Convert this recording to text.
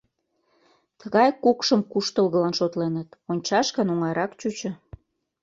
Тыгай кукшым куштылгылан шотленыт, ончаш гын оҥайрак чучо.